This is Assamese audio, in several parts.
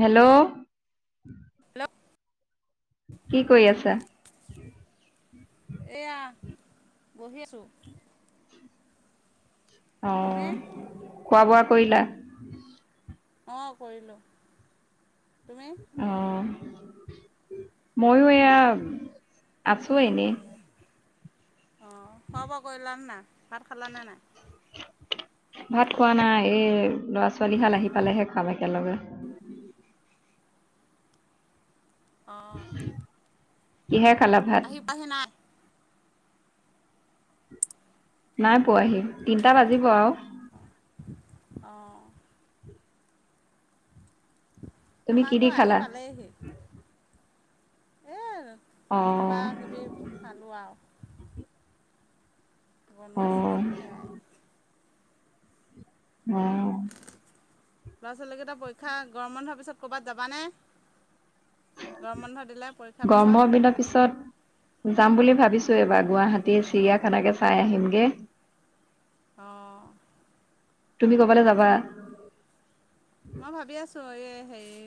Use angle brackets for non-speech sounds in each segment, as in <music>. হেল্ল'। প্ল কি কৰি আছা? এয়া, বহি আছো। অ' খোৱা-বোৱা। কৰিলা? অ'কৰিলো। অ'। ময়ো এয়া, আছো এনে। অ'খোৱা-বোৱা কৰিলা নে নাই? ভাত খালা নে নাই? ভাত খোৱা নাই, এই ল'ৰা ছোৱালীহাল আহি পালেহে খাম একেলগে। উ অঁ কিহে খালা ভাত? আহি পাহি নাই নাই পোৱাহি, তিনটা বাজিব আৰু। অঁ। তুমি আমাৰ কি দি আকৌ আহি খালা? পালেইহি। কিবা অ', কিবি খালো আৰু। অ', বনোৱাছিলে সেয়াই। অ। ল'ৰা-ছোৱালীকেইটা পৰীক্ষা গৰম বন্ধোৱাৰ পিছত কৰ'ৰবাত যাবানে? গৰম বন্ধ দিলে পৰীক্ষাৰ পিছত গৰমৰ দিনৰ পিছত। যাম বুলি ভাবিছোঁ এইবাৰ গুৱাহাটী চিৰিয়াখানাকে চাই আহিমগে। অহ' তুমি ক'বালৈ যাবা? মই ভাবি আছো এই হেৰি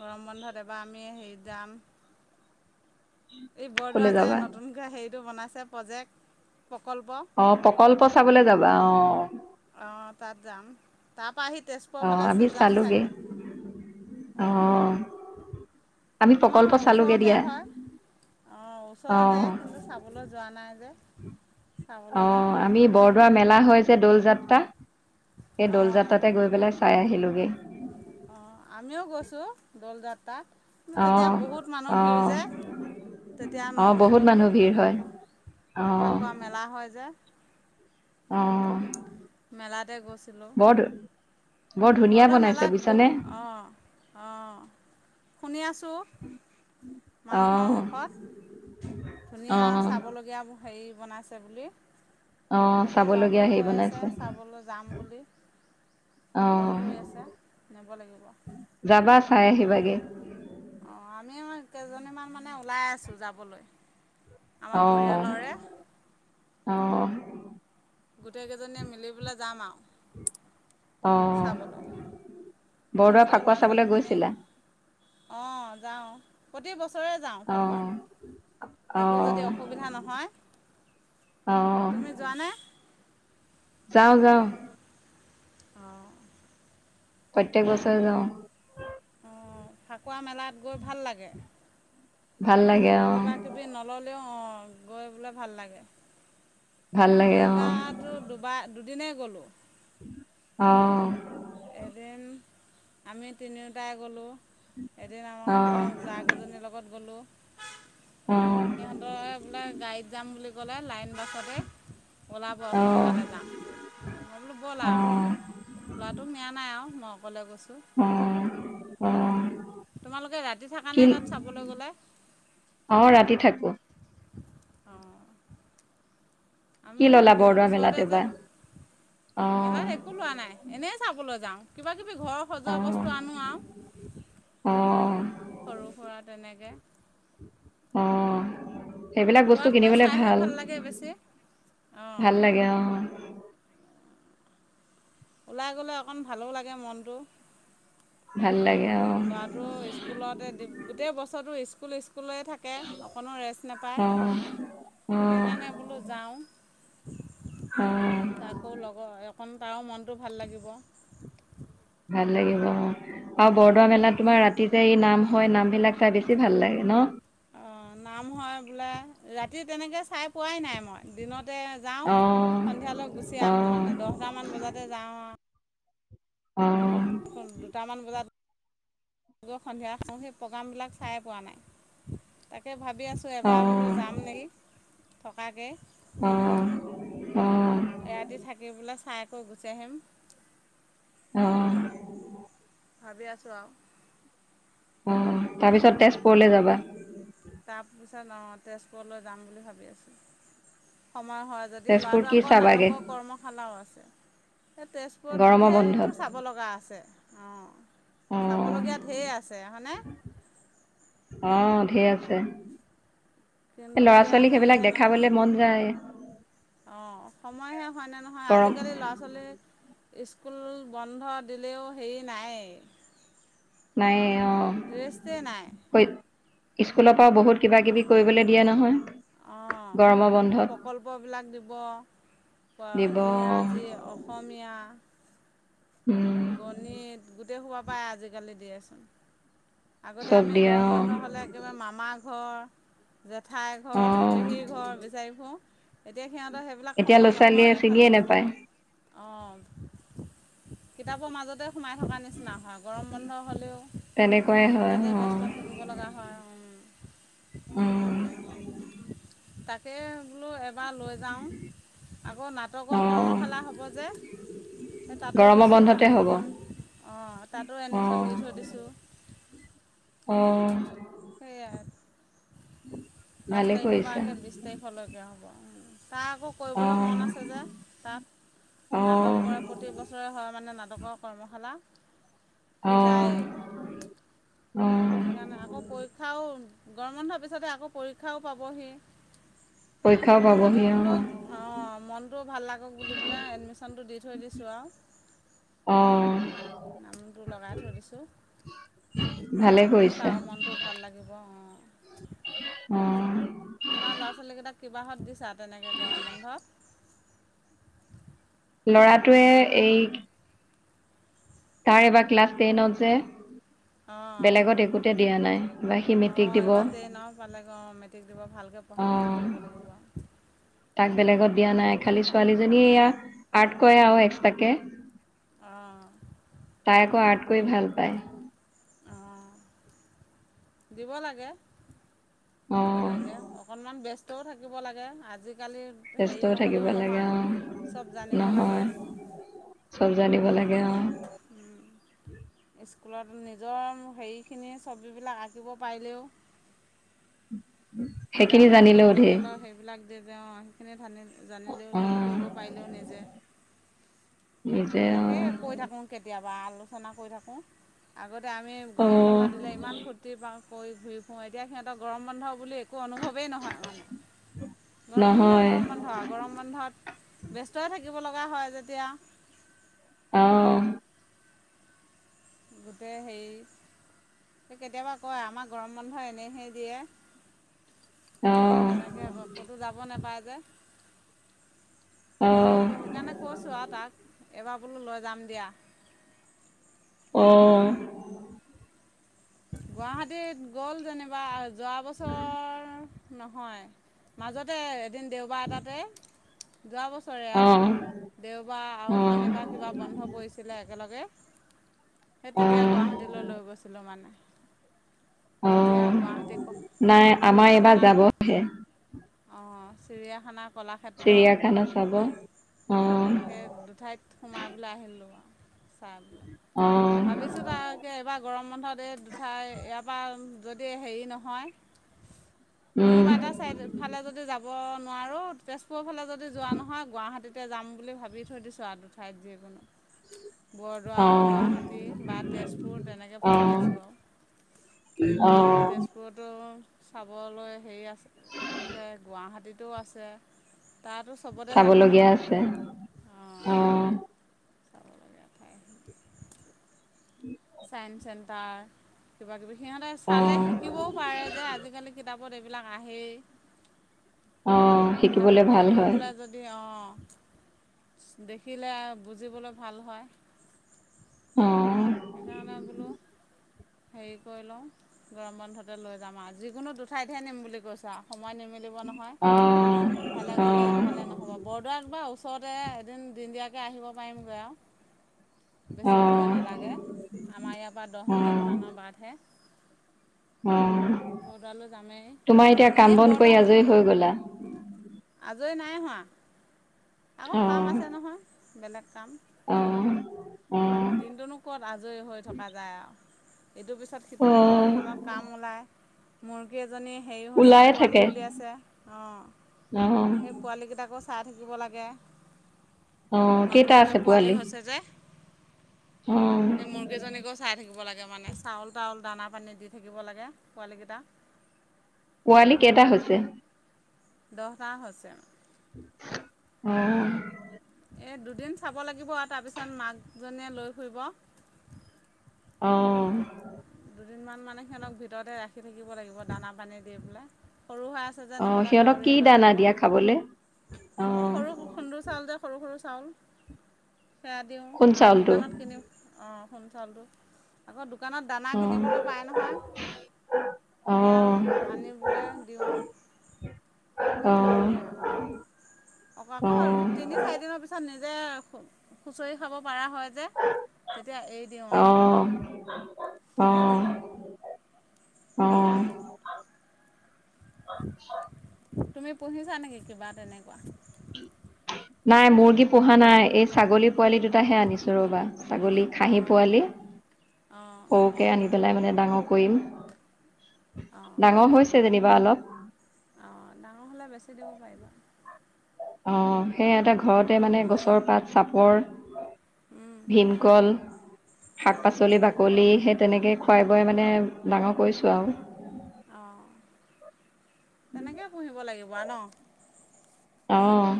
গৰম বন্ধত এবাৰ আমি হেৰি যাম। এই বৰদোৱা ক'লে যে যাবা? নতুনকে হেৰি টো বনাইছে প্ৰজেক্ট প্ৰকল্প অ' প্ৰকল্প চাবলে যাবা। অ' অ তাত যাম। তাত টাপা আহি তেজপুৰৰ অ', ফালে আমি যাম চালোগে। চাগৈ, অঁ' অ', আমি আমাৰ প্ৰকল্প চালোগে ওচৰতে দিয়া হয় অঁ ওচৰতে, অ', কিন্তু চাবলৈ যোৱা নাই যে। অ চাবলৈ যাম আৰু আমি বৰদোৱা মেলা হৈ যে দৌল তাৰপিছত যাত্ৰা সেই দৌল অঁ যাত্ৰাতে গৈ পেলাই চাই। আহিলোগৈ। অ আমিও গৈছো দল যাত্ৰাত। কিন্তু তেতিয়া অ', বহুত মানুহ ভিৰ অ', যায়, তেতিয়া অ', বহুত নগলো মানুহ ভিৰ হয় ফাকু অ', ফাকুৱা মেলা হয় যে। অঁ। মেলাতে গৈছিলোঁ। বৰ ধুনীয়া বৰদুৱাৰ বনাইছে মেলাত গ, বুজিছানে অঁ অঁ শুনি আছোঁ মানুহৰ অ', মুখত। ধুনীয়া অ', চাবলগীয়া বু- হেৰি বনাইছে বুলি। অ', তাকে চাবলগীয়া ল'ৰাটোও হেৰি কৈ আছে বনাইছে চাবলৈ যাম বুলি, লগ অ', ধৰি আছে নিব লাগিব যাবা চাই তাক আহিবাগে লগত অ, আমি কেইজনীমান মানে। ওলাই আছো যাবলৈ। আমাৰ অ পৰিয়ালৰে অ। গোটেই কেইজনীয়ে মিলি পেলাই যাম আৰু। অ', চাবলৈ, বৰদোৱা সিহঁতৰ ফাকুৱা ল'ৰা চাবলৈ ছোৱালী খিনি, গৈছিলা অ যাওঁ প্ৰতি বছৰে যাওঁ অ', ফাকুৱাত। একো যদি অ', অসুবিধা নহয়। অ', তুমি যোৱানে? যাওঁ যাওঁ। অঁ। প্ৰত্যেক বছৰে যাওঁ। অঁ ফাকুৱা মেলাত গৈ ভাল লাগে। ভাল লাগে অ কিবা কিবি নললেও অ। গৈ বোলে ভাল লাগে। ভাল লাগে অ এইবাটো দুবাৰ দু- দিনেই গ'লোঁ। অ। এদিন আমি তিনিওটাই গ'লোঁ। এদিন আমা অ আকৌ জা কেইজনীৰ লগত গ'লোঁ। অ সিহঁতৰ বোলে গাড়ীত যাম বুলি, গ'লে লাইন, বাছতে ওলাব সোনকালে অ যাম বোলো ব ওলা অ আৰু। নাই আৰু মই অকলে গৈছো। অ অ তোমালোকে ৰাতি থাকা কি নে তাত চাবলৈ গলে? অ ৰাতি থাকো অঁ। কি আমি ললা বৰদোৱা মেলাত ওচৰতে যে। এইবাৰ অ মেলাত একো লোৱা নাই এনেই চাবলৈ যাওঁ। কিবা তি ঘৰৰ অ সজোৱা বস্তু আনো আৰু অ সৰু সুৰা তেনেকে আহ। সেইবিলাক বস্তু লোৱাতকৈ কিনিবলে চাইহে ভাল, লাগে বেছি অঁ ভাল লাগে আহ। ওলাই গ'লে অকণ ভালো লাগে মনটো। ভাল লাগে। অ ল'ৰাটো স্কুলতে দি গোটেই বছৰটো স্কুল স্কু স্কুল থাকে অকণো ৰেষ্ট নাপায় অ সেইকাৰণে বোলো যাওঁ। অ অ তাকৌ লগৰ কণ তাৰো মনটো ভাল লাগিব। ভাল লাগিব অ আৰু বৰদোৱা মেলাত তোমাৰ ৰাতি যে এই নাম হয়, নাম বিলাক চাই বেছি ভাল লাগে ন। অ নাম হয় বোলে ৰাতি তেনেকৈ চাই পোৱাই নাই মই দিনত। যাওঁ অ সন্ধিয়ালৈ গুচি অ আহোঁ মানে দহটামান বজাতে যাওঁ আৰু অ দুটামান বজাত। সন্ধিয়া হওঁ সেই প্ৰগ্ৰামবিলাক। চাই পোৱা নাই তাকে। ভাবি আছোঁ অ এবাৰ বোলো যাম নেকি। থকাকে অ অ এৰাতি থাকি বোলে চাই। থৈ গুচি আহিম অহ। ভাবি আছো আৰু। অ তাৰপিছত তেজপুৰলৈ যাবা। তাৰপিছত অ তেজপুৰলৈ যাম বুলি ভাবি আছোঁ সময় হয় যদি তেজপুৰ ল'ৰাটো কি আকৌ চাবাগে নাটকৰ কৰ্মশালাও আছে। এই তেজপুৰত গৰমৰ ঢেৰটো বন্ধত চাব লগা আছে আহ অ চাব লগীয়া ঢেৰ আছে হয়নে। অ ঢেৰ আছে এই কিন্তু ল'ৰা এতিয়া ছোৱালীক সেইবিলাক হেৰিহে নহয়, দেখাবলৈ মন যায় অঁ সময়হে হয়নে নহয় গৰম আজিকালি ল'ৰা ছোৱালী স্কুল বন্ধ দিলেও হেৰি নাই। নাই অ ৰেষ্টেই কৈ স্কুলৰ পৰাও বহুত কিবা কিবি কৰিবলৈ দিয়ে নহয়। অঁ গৰমৰ বন্ধত প্ৰকল্পবিলাক দিব, দিব ইংৰাজী, অসমীয়া। উম গণিত গোটেই সোপাপাই আজিকালি দিয়েচোন। আগতে চব আমি দিয়ে গৰম অ বন্ধ হলে একেবাৰে মামা ঘৰ জেঠাই ঘৰ অ পেহীৰ ঘৰ বিচাৰিবোৰ এতিয়া সিহঁতৰ সেইবিলাক এতিয়া ল'ৰা সময় ছোৱালীয়ে নহয় ছিগিয়ে খালি নোপায় অঁ কিতাপৰ মাজতে সোমাই থকা নিচিনা নহয় গৰম বন্ধ হ'লেও তেনেকুৱাই হয় তাতে অ ব্যস্ত থাকিব লগা হয়। উম তাকে বোলো এ পা লৈ যাওঁ আকৌ নাটকৰ অ কৰ্মশালা হ'ব যে সেই তাতো গৰমৰ দিছোঁ বন্ধতে তাত হ'ব দিম অঁ তাতো অ এডমিশ্যন দি থৈ দিছোঁ অ সেয়াই পাঁচ ভালে তাৰিখৰ পৰা কৰিছা আকে বিছ তাৰিখলৈকে হ'ব তাৰ আকৌ অ কৰিবলৈ মন আছে যে অ তাত নাটক প্ৰতি বছৰে হয় মানে নাটকৰ কৰ্মশালা অ সিজায় অ সেইকাৰণে আকৌ পৰীক্ষাও গৰম বন্ধৰ পিছতে আকৌ পৰীক্ষাও পাবহি পৰীক্ষাও পাবহি তথাপিও অ বোলো অঁ মনটো ভাল লাগক বুলি পোলে এডমিশ্যন টো দি থৈ দিছোঁ আৰু অ নামটো লগাই থৈ দিছোঁ ভালে যাওক বুলো কৰিছা তাও মনটো ভাল লাগিব অঁ উম তোমাৰ ল'ৰা ছোৱালী কেইটাক কিবাহত দিছা তেনেকৈ গৰম বন্ধত ল'ৰাটোৱে এই এইবাৰ ক্লাছ টেইনত যে অঁ বেলেগত একোতে দিয়া নাই বা সি মেট্ৰিক অঁ দিব এইবাৰ ট্ৰেইনৰ পালেগ অ মেট্ৰিক দিব ভালকৈ পঢ়া শুনা অ কৰিব লাগিব। তাক বেলেগত দিয়া নাই খালি ছোৱালীজনীয়ে এয়া আৰ্ট কৰে আৰু এক্সট্ৰাকে। অঁ আকৌ আঠ কৰি ভাল পায়। দিব লাগে অ তেনেকে অকনমান ব্যস্ত থাকিব লাগে আজি আজিকালি হেৰি ব্যস্তও থাকিব নহ'লেও লাগে নহয় অ চব জানিব লাগে। নহয় চব জানিব লাগে অ। স্কুলত নিজৰ হেৰিখিনি ছবিবিলাক আঁকিব পাৰিলেও। সেইখিনি কিতাপৰ জানিলেও ধেৰ প্ৰেক্টিকেলৰ সেইবিলাক তেওঁ সেইখিনি ধানি জানিলেও অ ধেৰ কৰিব পাৰিলেও নিজে নিজে অ তাকে কৈ থাকো কেতিয়া বা আলোচনা কৰি থাকোঁ আগত তাতে আমি অ গৰম বন্ধ দিলে ইমান ফূৰ্তি পাওঁ। কৰি ঘূৰি ফুওঁ এতিয়া সিহঁত গৰম বন্ধ বুলি <unintelligible> একো অনুভৱেই নহয় মানে গৰম বন্ধ নহয় গৰম বন্ধ আৰু গৰম বন্ধত ব্যস্ত থাক। <unintelligible> থাকিব লগা হয় যেতিয়া। অ গোটেই হেৰি কেতিয়াবা কয় আমাৰ গৰম বন্ধ এনেইহে দিয়ে। আহ তেনেকে ক ক'তো যাব নোপায়। <unintelligible> যে <unintelligible> তাকে আহ ক সেইকাৰণে কৈছো আও তাক <unintelligible> এইবাৰ বোলো লৈ যাম দিয়া। অ গুৱাহাটীত গ'ল যেনিবা যোৱা বছৰ নহয় মাজতে এদিন দেওবাৰ এটাতে যোৱা বছৰে আও আহ দেওবাৰ আৰু আহ শনিবাৰ কিবা বন্ধ পৰিছিলে। একে লগে সেই তেতিয়া আহ গুৱাহাটীলৈ লৈ গৈছিলো মানে। তেতিয়া আহ গুৱাহাটী নাই আমাৰ এইবাৰ চিৰিয়াখানাক যাবহে অ। চিৰিয়াখানাত কলাক্ষেত্ৰ চিৰিয়াখানা চাব অ সেই দুঠাইত সোমাই পেলাই আহিলোঁ। অ ভাবিছোঁ তাকে এইবাৰ গৰম বন্ধ এ দুদ <unintelligible> চাই ইয়াৰ পৰা যদি হেৰি নহয়। উম কোনোবা এটা চাইড ফালে যদি যাব। নোৱাৰো তেজপুৰৰ ফালে যদি যোৱা নহয় গুৱাহাটীতে যাম বুলি ভাবি থৈ দিছো আ দুঠাইত যিকোনো। <unintelligible> বৰদোৱা অ গুৱাহাটী বা তেজপুৰ তেনেকে অ ভাবি আছোঁ আও। অ চাবলৈ হেৰি আছে যে গুৱাহাটীত ত' আছে। তাতো চবতে যাবলৈ চাবলগীয়া মন আছে। অঁ। চাবলগীয়া ঠাই <inaudible> চাইন্স চেণ্টাৰ, কিবা কিবি। সিহঁতে অ চালে শিকিবও পাৰে যে আজিকালি কি কিতাপত এইবিলাক আহেই। অ শিকিবলে কিতাপত ভাল পঢ়ি হয় বোলে যদি অ দেখিলে বুজিবলৈ ভাল হয়। অঁ। সেইকাৰণে বোলো হেৰি কৰি লওঁ গৰম বন্ধতে লৈ যাম আৰু, যিকোনো দুঠাইতহে নিম বুলি কৈছে আৰু। সময় নিমিলিব নহয় অ এফালে অ গ'লে এফালে নহ'ব বৰদোৱাত বা ওচ ওচৰতে এদিন দিনদীয়াকৈ আহিব পাৰিমগৈ আৰু। অ বেছি সময় নালাগে। আমাৰ ইয়াৰ পৰা দহ অ মিনিট মানৰ বাটহে। অ বৰদোৱালৈ যামেই তোমাৰ এতিয়া কাম এনেই বন বৰদোৱা কৰি আজৰি হৈ গ'লা? আজৰি নাই হোৱা। আকৌ কাম আছে নহয়। বেলেগ কাম। অঁ। দিনটোনো ক'ত আজৰি হৈ থকা যায় আৰু। ইটোৰ পিছত অ সিটো ঘৰখনত কাম ওলাই। মুৰ্গী এ এজনী হেৰি হৈছে ওলায়ে থাকে পোৱালি উলিয়াইছে, অ অঁ সেই পোৱালিকেইটাকো চাই থাকিব লাগে। অ কেইটা নতুনকৈ আছে পোৱালি? হৈছে যে অ সেই মুৰ্গীজনীকো চাই থাকিব লাগে মানে চাউল তাউল দানা পানী দি থাকিব লাগে পোৱালিকেইটাক। পোৱালি কেইটা হৈছে? দহটা হৈছে। অঁ। এই দুদিন চাব লাগিব আৰু তাৰপিছত মাকজনীয়ে লৈ ফুৰিব। অঁ। দুদিনমান মানে সিহঁতক ভিতৰতে ৰাখি থাকিব লাগিব দানা পানী দি পেলাই। সৰু হৈ আছে যে অহ নহলে সিহঁতক কি কাউৰীয়ে লৈ দানা যাব দিয়া খাবলে এই অহ সৰু খুন্দুৰ চাউল যে সৰু, সৰু চাউল সেয়া দিওঁ খুদ আৰু চাউলটো দোকানত কিনিম অ। খুন্দো চাউলটো আকৌ দোকানত অহ কিনিবলে পায় নহয় সেইয়া ও অহ আনিবলৈ দিও হেই অহ তেনেকেই আও অহ আকৌ তিনি চাৰিদিনৰ পিছত যে খুচৰি খাব পাৰা হয় যে তেতিয়া এৰি দিও আও অহ তেনেকে অ তুমি পুহিছা নেকি কিবা তেনেকোৱা। নাই মুৰ্গী পুহি অহা নাই এই ছাগলী পোৱালি দুটাহে আনিছো ৰ'বা ছাগলী খাহী অঁ পোৱালি অঁ সৰুকে আনি পেলাই মানে ডাঙৰ কৰিম। ডাঙৰ হৈছে যেনিবা অলপ। অ ডাঙৰ হলে বেছি দিব পাৰিবা। অ সেই এটা ঘৰতে মানে গছৰ পাত চাপৰ ভীমকল শাক পাচলি বাকলি সেই তেনেকে খুৱাই বোৱাই মানে ডাঙৰ কৰিছোঁ আৰু। অ তেনেকে পুহিব লাগিব। ৱান অহ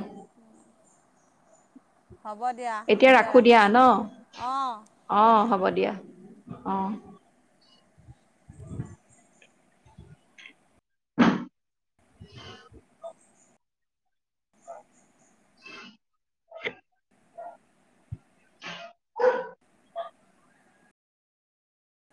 হ'ব দিয়া এতিয়া ৰাখোঁ দিয়া ন ৰাখিছোঁ অ হ'ব দিয়া। অ <unintelligible> <unintelligible>